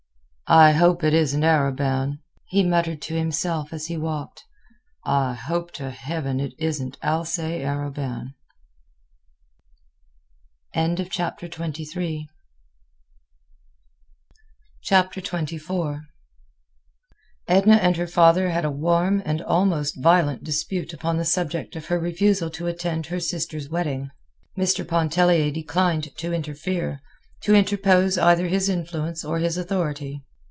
"I hope it isn't Arobin," he muttered to himself as he walked. "I hope to heaven it isn't Alcée Arobin." XXIV Edna and her father had a warm, and almost violent dispute upon the subject of her refusal to attend her sister's wedding. Mr. Pontellier declined to interfere, to interpose either his influence or his authority.